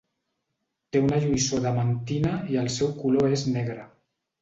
Té una lluïssor adamantina i el seu color és negre.